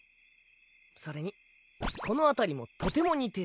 それにこの辺りもとても似てる。